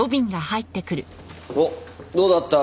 おっどうだった？